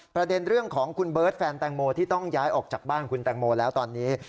ประเด็นเรื่องของคุณเบิร์ตแฟนแตงโมที่ต้องย้ายออกจากบ้านคุณแตงโมแล้วตอนนี้